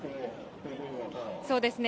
そうですね。